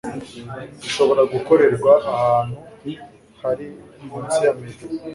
bishobora gukorerwa ahantu hari munsi ya metero